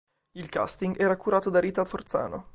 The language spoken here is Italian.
Il casting era curato da Rita Forzano.